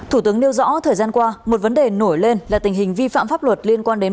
thủ tướng nêu rõ thời gian qua một vấn đề nổi lên là tình hình vi phạm pháp luật liên quan đến